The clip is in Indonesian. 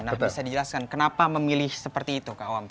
nah bisa dijelaskan kenapa memilih seperti itu kak awam